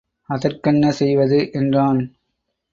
அதற் கென்ன செய்வது! என்றான்.